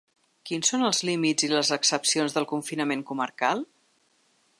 Quins són els límits i les excepcions del confinament comarcal?